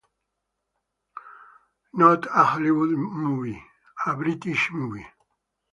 Not a Hollywood movie: a British movie.